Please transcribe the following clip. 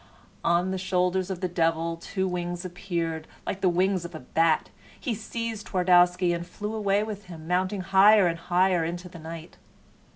On the shoulders of the devil two wings appeared, like the wings of a bat. He seized Twardowski and flew away with him, mounting higher and higher into the night.